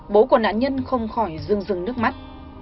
bố của nạn nhân không khỏi dương rừng nước mắt